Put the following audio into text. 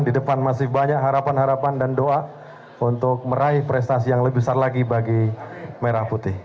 di depan masih banyak harapan harapan dan doa untuk meraih prestasi yang lebih besar lagi bagi merah putih